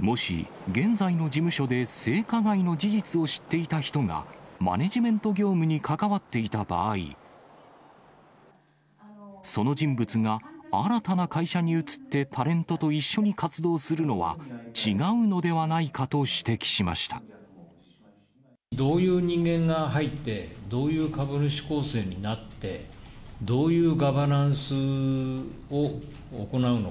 もし、現在の事務所で性加害の事実を知っていた人がマネジメント業務に関わっていた場合、その人物が新たな会社に移ってタレントと一緒に活動するのは違うどういう人間が入って、どういう株主構成になって、どういうガバナンスを行うのか。